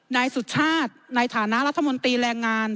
นายสุชาติในฐานะรัฐมนตรีแรงงาน